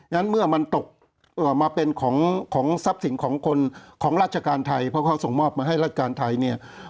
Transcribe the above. งั้นเมื่อมันตกมาเป็นของทรัพย์สินของคนของราชการไทยเพราะเขาส่งมอบมาให้ราชการไทยเนี่ย